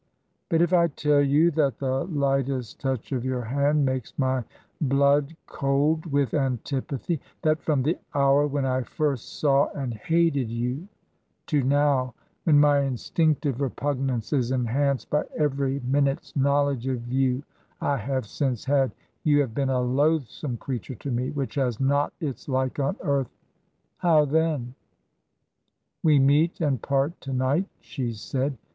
'But if I tell you that the lightest touch of your hand makes my blood cold with antipathy ; that from the hour when I first saw and hated you, to now, when my instinctive repugnance is enhanced by every minute's knowledge of you I have since had, you have been a loathsome creature to me which has not its like on earth — how then? ... We meet and part to night,' she said.